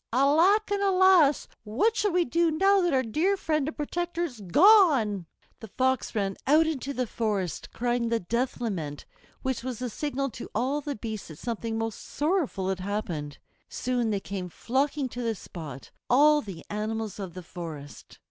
Alack and alas! what shall we do now that our dear friend and protector is gone?" The Fox ran out into the forest crying the death lament, which was the signal to all the beasts that something most sorrowful had happened. Soon they came flocking to the spot, all the animals of the forest.